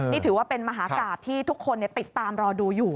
นี่ถือว่าเป็นมหากราบที่ทุกคนติดตามรอดูอยู่